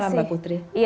selamat malam mbak putri